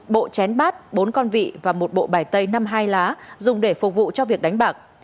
một bộ chén bát bốn con vị và một bộ bài tây năm hai lá dùng để phục vụ cho việc đánh bạc